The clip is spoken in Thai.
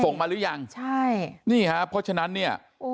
ส่งมาหรือยังใช่นี่ค่ะเพราะฉะนั้นเนี้ยอุ้ย